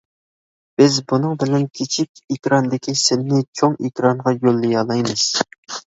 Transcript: بىز بۇنىڭ بىلەن كىچىك ئېكراندىكى سىننى چوڭ ئېكرانغا يوللىيالايمىز.